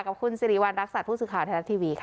กับคุณสิริวัณรักษาผู้ศึกขาวไทยนัททีวีค่ะ